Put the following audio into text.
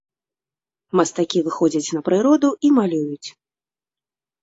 Мастакі выходзяць на прыроду і малююць.